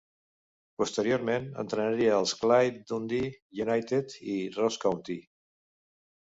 Posteriorment entrenaria els Clyde, Dundee United i Ross County.